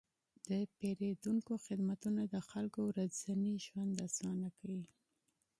د پیرودونکو خدمتونه د خلکو ورځنی ژوند اسانه کوي.